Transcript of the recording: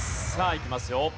さあいきますよ。